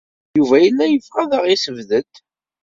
Yuba yella yebɣa ad aɣ-yessebded.